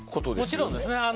もちろんですね。